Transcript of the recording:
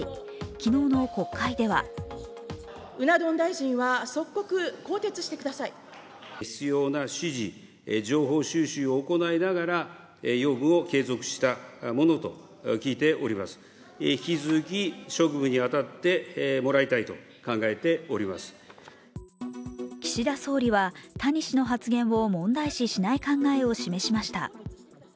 昨日の国会では岸田総理は、谷氏の発言を問題視しない考えを示しました。